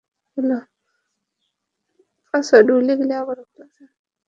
পুরো জায়গা ঘিরে ফেলো।